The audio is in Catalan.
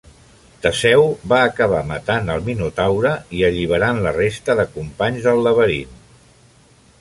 Teseu va acabar matant el Minotaure i alliberant la resta de companys del laberint.